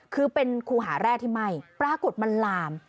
คือเป็นครูหาแร่ที่ไหม้ปรากฏมันลาม